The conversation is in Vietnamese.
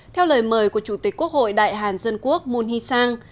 theo lời mời của chủ tịch quốc hội đại hàn dân quốc moon hee sang